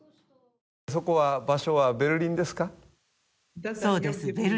そこは場所はベルリンですか？